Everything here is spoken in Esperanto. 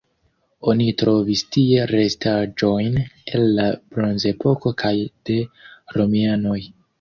Oni trovis tie restaĵojn el la bronzepoko kaj de romianoj.